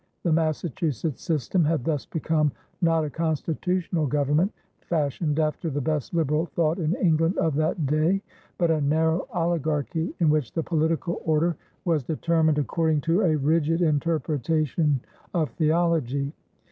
The Massachusetts system had thus become not a constitutional government fashioned after the best liberal thought in England of that day, but a narrow oligarchy in which the political order was determined according to a rigid interpretation of theology.